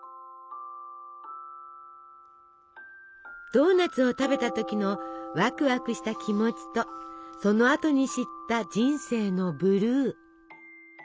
ドーナツを食べた時のワクワクした気持ちとそのあとに知った人生のブルー。